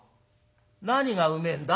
「何がうめえんだ？」。